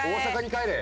帰れ！